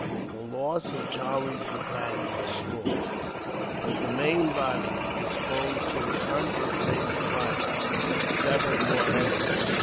The loss of Charlie's battalion was small, but the main body, exposed to the concentrated fire, suffered more heavily.